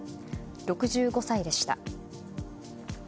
６５歳でした。